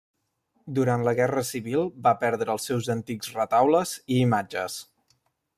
Durant la Guerra Civil va perdre els seus antics retaules i imatges.